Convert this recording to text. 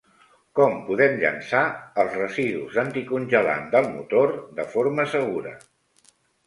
Com podem llençar els residus d'anticongelant del motor de forma segura?